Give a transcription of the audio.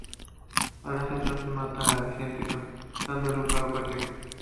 Alessa entonces mata a Vincent causándole un paro cardíaco.